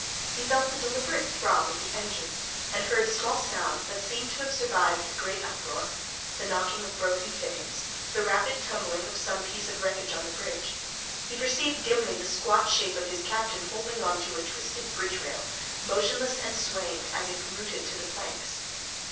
He felt the deliberate throb of the engines, and heard small sounds that seemed to have survived the great uproar: the knocking of broken fittings, the rapid tumbling of some piece of wreckage on the bridge. He perceived dimly the squat shape of his captain holding on to a twisted bridge rail, motionless and swaying as if rooted to the planks.